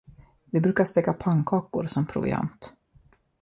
Vi brukar steka pannkakor som proviant.